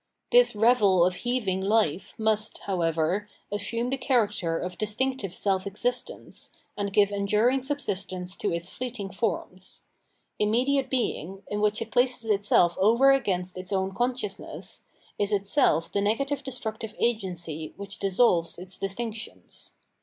This revel of heaving lifef must, how'ever, assume the character of distinctive self existence, and give enduring subsistence to its fleeting forms. Immediate being, in which it places itself over against its own consciousness, is itself the negative destructive agency which dissolves its distinctions.